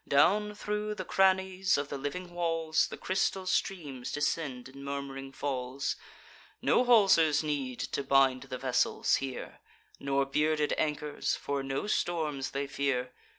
Down thro' the crannies of the living walls The crystal streams descend in murm'ring falls: No haulsers need to bind the vessels here, Nor bearded anchors; for no storms they fear.